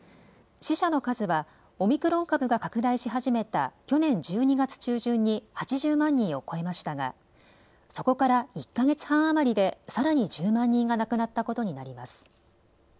死者の数はオミクロン株が拡大し始めた去年１２月中旬に８０万人を超えましたが、そこから１か月半余りでさらに１０万人が亡くなったことになります。